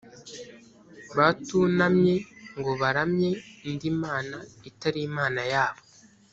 batunamye ngo baramye indi mana itari imana yabo